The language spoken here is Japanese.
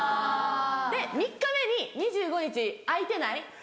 で３日目に「２５日空いてない？